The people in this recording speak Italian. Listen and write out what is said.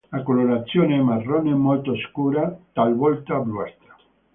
La colorazione è marrone molto scura, talvolta bluastra.